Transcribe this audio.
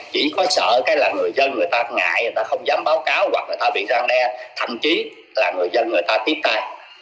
chỉ có sợ cái là người dân người ta ngại người ta không dám báo cáo hoặc người ta bị răn đe thậm chí là người dân người ta tiếp tay